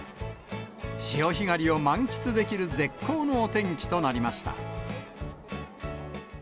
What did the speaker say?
潮干狩りを満喫できる絶好のお天気となりました。